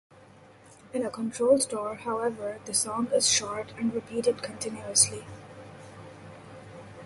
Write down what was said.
In a control store, however, the "song" is short and repeated continuously.